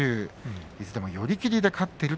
いずれも寄り切りで勝っています。